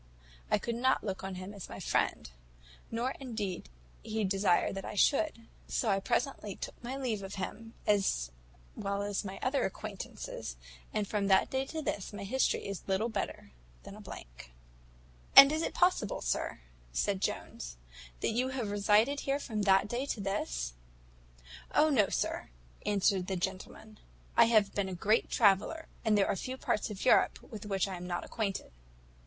I could not look on him as my friend, nor indeed did he desire that I should; so I presently took my leave of him, as well as of my other acquaintance; and from that day to this, my history is little better than a blank." "And is it possible, sir," said Jones, "that you can have resided here from that day to this?" "O no, sir," answered the gentleman; "I have been a great traveller, and there are few parts of Europe with which I am not acquainted."